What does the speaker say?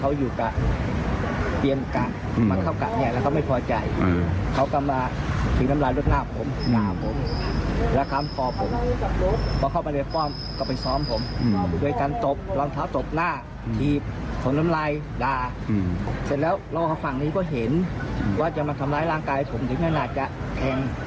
ว่าจะมาทำร้ายร่างกายผมถึงให้นายจะแทน